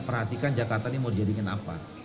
perhatikan jakarta ini mau dijadikan apa